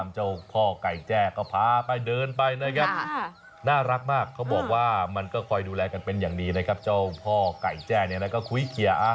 อะไรไก่ไก่ไก่ไก่ไก่ไก่ไก่ไก่ไก่ไก่ไก่ไก่ไก่ไก่ไก่ไก่ไก่ไก่ไก่ไก่ไก่ไก่ไก่ไก่ไก่